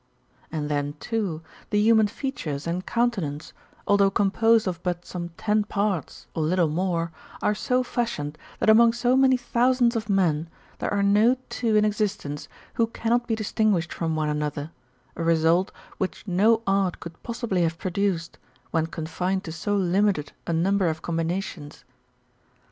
® And then, too, the human features and countenance, although composed of but some ten parts or little more, are so fashioned, that among so many thousands of men, there are no two in existence who cannot be distinguished from one another, a result which no art could possibly have produced, when con fined to so limited a number of combinations.